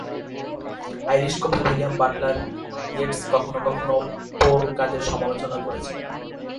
Irish কবি William Butler Yeats কখনো কখনো পোর কাজের সমালোচনা করেছেন।